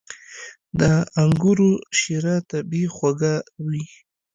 • د انګورو شیره طبیعي خوږه وي.